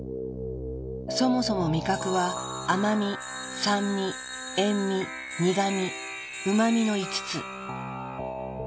そもそも味覚は「甘み」「酸味」「塩味」「苦味」「うま味」の５つ。